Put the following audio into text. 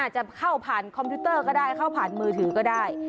จะเข้าผ่านคอมพิวเตอร์ก็ได้เข้าผ่านมือถือก็ได้